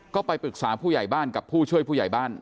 ก็ไปปรึกษาผู้ใหญ่บ้านกับผู้ช่วยผู้ใหญ่บ้าน